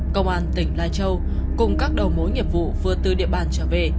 công an tỉnh lai châu cùng các đầu mối nghiệp vụ vừa từ địa bàn trở về